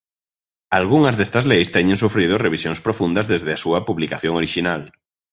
Algunhas destas leis teñen sufrido revisións profundas desde a súa publicación orixinal.